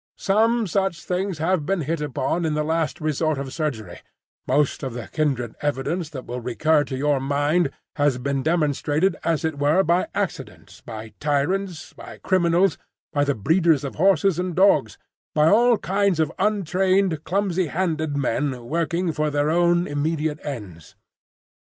Some such things have been hit upon in the last resort of surgery; most of the kindred evidence that will recur to your mind has been demonstrated as it were by accident,—by tyrants, by criminals, by the breeders of horses and dogs, by all kinds of untrained clumsy handed men working for their own immediate ends.